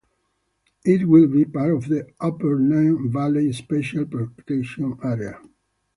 It will be part of the Upper Nene Valley Special Protection Area.